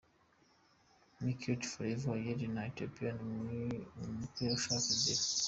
Mirkat Feleke Ayele wa Ethiopia ku mupira ashaka inzira